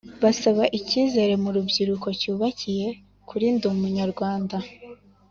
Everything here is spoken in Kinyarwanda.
Basaba icyizere mu rubyiruko cyubakiye kuri Ndi Umunyarwanda